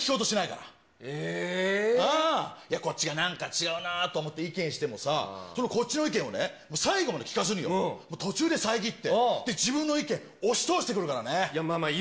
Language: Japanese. いや、こっちがなんか違うなと思って意見しても、そのこっちの意見をね、最後まで聞かずに、途中で遮って、自分の意見押し通してくるからね。